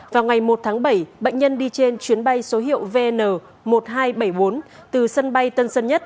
vào ngày một tháng bảy bệnh nhân đi trên chuyến bay số hiệu vn một nghìn hai trăm bảy mươi bốn từ sân bay tân sơn nhất